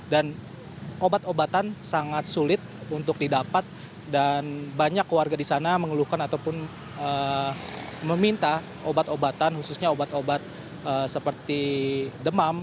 dan obat obatan sangat sulit untuk didapat dan banyak warga di sana mengeluhkan ataupun meminta obat obatan khususnya obat obat seperti demam